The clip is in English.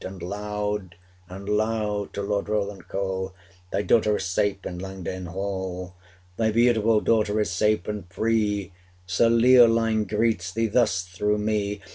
500 And loud and loud to Lord Roland call, Thy daughter is safe in Langdale hall! Thy beautiful daughter is safe and free Sir Leoline greets thee thus through me!